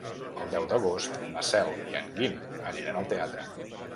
El deu d'agost na Cel i en Guim aniran al teatre.